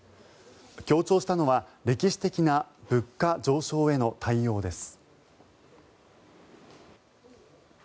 強調したのは歴史的な物価上昇への対応です。